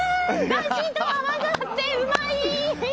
だしと合わさってうまい！